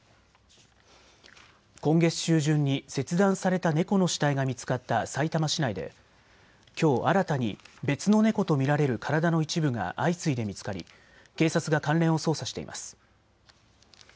今月中旬に切断された猫の死体が見つかったさいたま市内できょう、新たに別の猫とみられる体の一部が相次いで見つかり警察が関連を捜査しています。